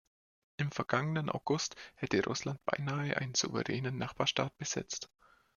Im vergangenen August hätte Russland beinahe einen souveränen Nachbarstaat besetzt.